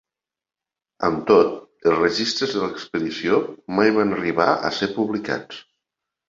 Amb tot, els registres de l'expedició mai van arribar a ser publicats.